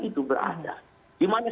itu berada di mana